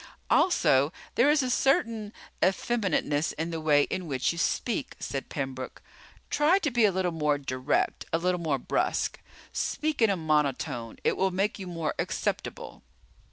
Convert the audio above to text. "Also, there is a certain effeminateness in the way in which you speak," said Pembroke. "Try to be a little more direct, a little more brusque. Speak in a monotone. It will make you more acceptable."